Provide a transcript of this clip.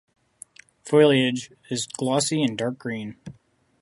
Foliage is glossy and dark green.